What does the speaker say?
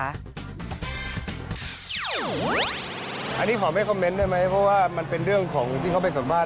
อันนี้ขอไม่คอมเมนต์ได้ไหมเพราะว่ามันเป็นเรื่องของที่เขาไปสัมภาษณ